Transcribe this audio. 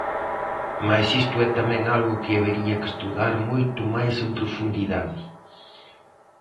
Mais isto é tamén algo que habería que estudar moito máis en profundidade.